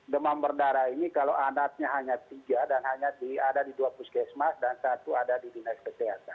demam berdarah ini kalau adatnya hanya tiga dan hanya ada di dua puskesmas dan satu ada di dinas kesehatan